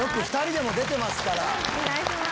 お願いします。